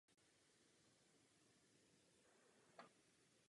Pane předsedo, dámy a pánové, opakuji, že jsme proti.